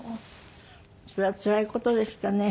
それはつらい事でしたね。